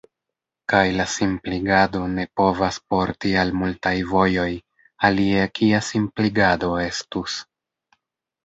Kaj la simpligado ne povas porti al multaj vojoj, alie kia simpligado estus?